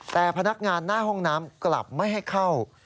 แต่พนักงานหน้าห้องน้ำกลับไม่ให้เข้า